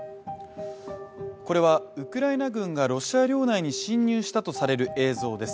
これはウクライナ軍がロシア領内に侵入したとされる映像です。